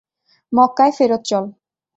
মক্কায় ফেরৎ চল।